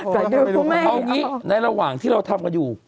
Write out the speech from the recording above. เอางี้ในระหว่างที่เราทำกันอยู่